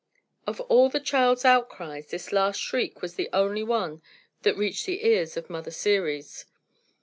Of all the child's outcries, this last shriek was the only one that reached the ears of Mother Ceres.